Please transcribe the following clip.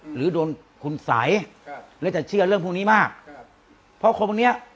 หรือโดนคุณสัยและจะเชื่อเรื่องพวกนี้มากเพราะคนพวกเนี้ย